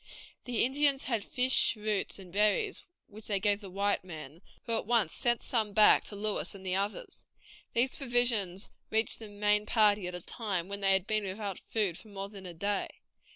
These Indians had fish, roots, and berries, which they gave the white men, who at once sent some back to Lewis and the others. These provisions reached the main party at a time when they had been without food for more than a day.